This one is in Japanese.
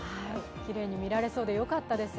きれいに見られそうでよかったです。